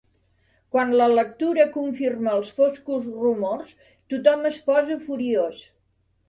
Quan la lectura confirma els foscos rumors, tothom es posa furiós.